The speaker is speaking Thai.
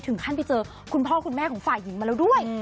ท่านไปเจอคุณพ่อคุณแม่ของฝ่ายหญิงมาแล้วด้วย